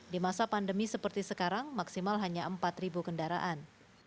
di masa pandemi seperti sekarang maksimal hanya empat kendaraan